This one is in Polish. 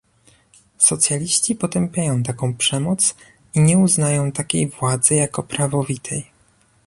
Socjaliści potępiają taką przemoc i nie uznają takiej władzy jako prawowitej